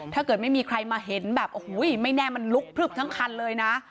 ถ้าเกิดไม่มีใครมาเห็นแบบโอ้โหไม่แน่มันลุกพลึบทั้งคันเลยนะ